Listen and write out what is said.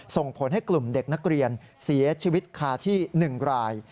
ส่งผลให้กลุ่มเด็กนักเรียนเสียชีวิตคาที่๑ราย